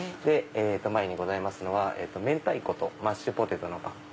前にございますのは明太子とマッシュポテトのパン。